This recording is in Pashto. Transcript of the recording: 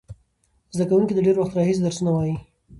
زده کوونکي له ډېر وخت راهیسې درسونه وایي.